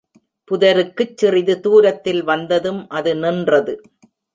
புதருக்குச் சிறிது தூரத்தில் வந்ததும், அது நின்றது.